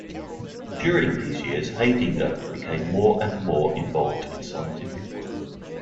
During these years Haidinger became more and more involved in scientific work.